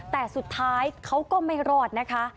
แต่สุดท้ายเขาก็ไม่รอดนะคะ